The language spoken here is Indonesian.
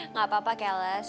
nggak apa apa kelas